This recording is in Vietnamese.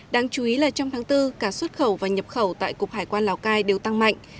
đáng chú ý là trong tháng bốn cả xuất khẩu và nhập khẩu tại cục hải quan lào cai đều tăng mạnh